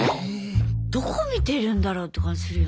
どこ見てるんだろうって感じするよね。